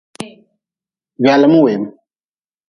Gwaalim weem.